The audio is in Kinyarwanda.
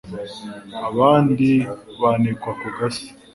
abandi banikwa ku gasi